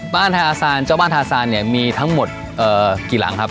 ทาอาซานเจ้าบ้านทาซานเนี่ยมีทั้งหมดกี่หลังครับ